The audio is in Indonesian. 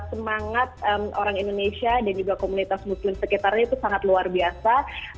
semangat orang indonesia dan juga komunitas muslim sekitarnya itu sangat luar biasa